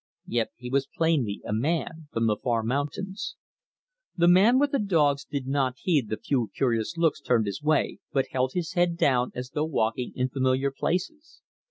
Yet he was plainly a man from the far mountains. The man with the dogs did not heed the few curious looks turned his way, but held his head down as though walking in familiar places.